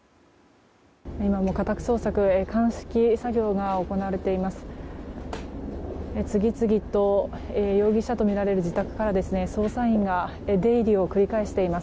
今も家宅捜索、鑑識作業が行われています。